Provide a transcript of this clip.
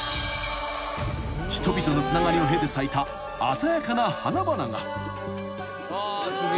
［人々のつながりを経て咲いた鮮やかな花々が］